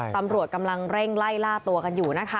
ตำรวจกำลังเร่งไล่ล่าตัวกันอยู่นะคะ